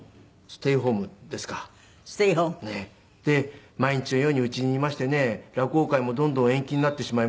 ステイホーム。で毎日のように家にいましてね落語会もどんどん延期になってしまいますし。